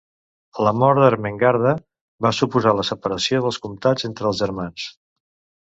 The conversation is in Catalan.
La mort d'Ermengarda va suposar la separació dels comtats entre els germans.